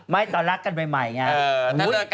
ไม่ต่อลักกันใหม่อย่างนี้